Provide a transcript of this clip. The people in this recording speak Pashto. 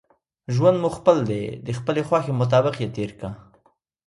ژوند مو خپل دئ، د خپلي خوښي مطابق ئې تېر که!